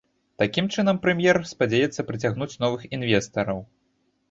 Такім чынам прэм'ер спадзяецца прыцягнуць новых інвестараў.